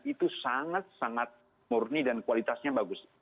itu sangat sangat murni dan kualitasnya bagus